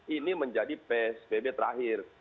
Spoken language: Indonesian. ini menjadi psbb terakhir